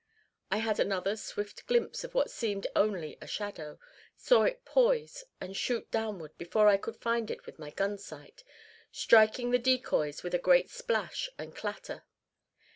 I had another swift glimpse of what seemed only a shadow; saw it poise and shoot downward before I could find it with my gun sight, striking the decoys with a great splash and clatter.